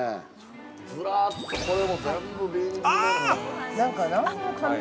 ずらっと、これも全部瓶詰。